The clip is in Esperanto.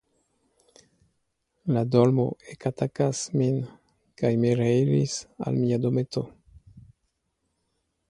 La dormo ekatakas min, kaj mi reiris al mia dometo.